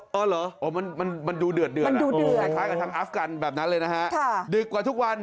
เออเหรอมันดูเดือดคล้ายกับทางอัฟกันแบบนั้นเลยนะฮะดึกกว่าทุกวัน